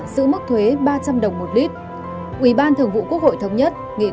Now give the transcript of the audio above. xin chào ông ạ